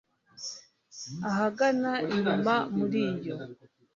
ahagana inyuma muri iyo